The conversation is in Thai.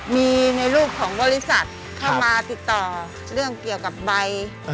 มีในรูปของบริษัทเข้ามาติดต่อเรื่องเกี่ยวกับใบ